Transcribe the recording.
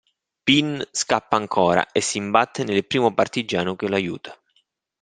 Pin scappa ancora e si imbatte nel primo partigiano che lo aiuta.